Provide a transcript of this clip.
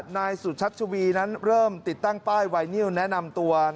นายสุชัชวีนั้นเริ่มติดตั้งป้ายไวนิวแนะนำตัว